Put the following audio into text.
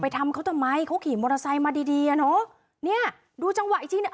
ทำเขาทำไมเขาขี่มอเตอร์ไซค์มาดีดีอ่ะเนอะเนี้ยดูจังหวะอีกทีเนี้ย